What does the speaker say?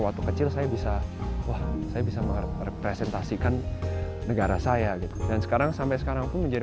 waktu kecil saya bisa wah saya bisa merepresentasikan negara saya gitu dan sekarang sampai sekarang pun menjadi